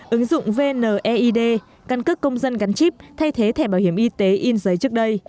ứng dụng vneid căn cước công dân gắn chip thay thế thẻ bảo hiểm y tế in giấy trước đây